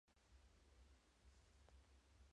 Ahora debe probar su inocencia y recuperar el oro.